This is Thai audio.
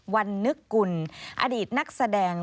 วันนึกกุลอดีตนักแสดง